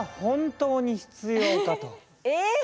えっ！？